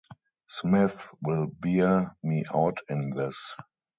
Smith will bear me out in this.